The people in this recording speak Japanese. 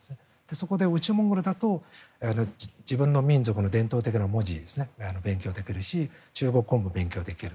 そこで内モンゴルだと自分の民族の伝統的な文字が勉強できるし中国語も勉強できる。